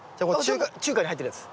中華に入ってるやつ。